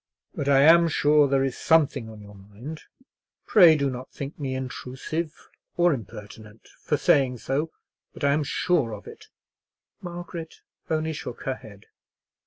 "But I am sure there is something on your mind. Pray do not think me intrusive or impertinent for saying so; but I am sure of it." Margaret only shook her head.